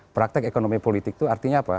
praktek ekonomi politik itu artinya apa